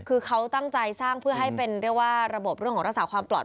คือเขาตั้งใจสร้างเพื่อให้เป็นเรียกว่าระบบเรื่องของรักษาความปลอด